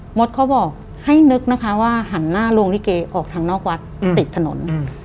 มดเขาบอกให้นึกนะคะว่าหันหน้าลวงลิเกออกทางนอกวัดติดถนน